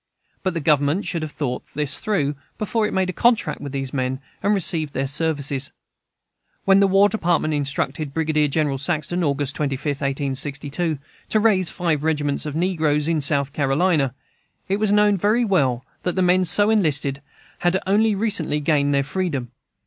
But the Government should have thought of this before it made the contract with these men and received their services. When the War Department instructed Brigadier General Saxton, August 25, 1862, to raise five regiments of negroes in South Carolina, it was known very well that the men so enlisted had only recently gained their freedom.